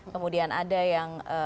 kemudian ada yang